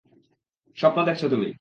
স্বপ্ন দেখছ তুমি।